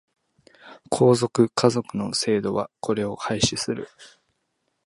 皇族、華族の制度はこれを廃止する。